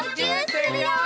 するよ！